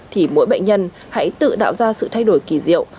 thì mỗi bệnh nhân hãy tự tạo ra sự thay đổi kỳ diệu